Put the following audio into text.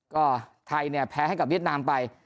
ก็ไทยแพ้ให้กับเวียดนามไป